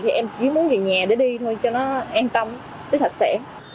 thì em chỉ muốn về nhà để đi thôi cho nó an tâm cho nó sạch sẽ